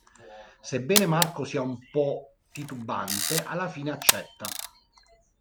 Sebbene Marco sia un po' titubante, alla fine accetta.